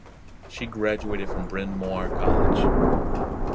She graduated from Bryn Mawr College.